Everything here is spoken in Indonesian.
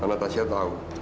karena asia tahu